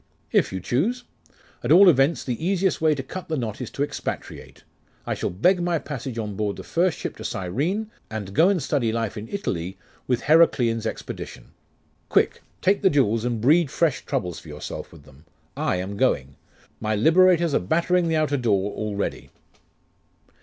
'If you choose. At all events, the easiest way to cut the knot is to expatriate. I shall beg my passage on board the first ship to Cyrene, and go and study life in Italy with Heraclian's expedition. Quick take the jewels, and breed fresh troubles for yourself with them. I am going. My liberators are battering the outer door already.